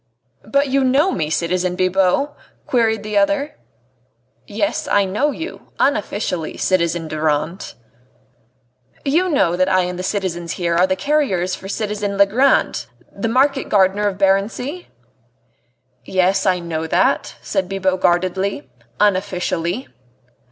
"But you know me, citizen Bibot?" queried the other. "Yes, I know you unofficially, citizen Durand." "You know that I and the citizens here are the carriers for citizen Legrand, the market gardener of Barency?" "Yes, I know that," said Bibot guardedly, "unofficially."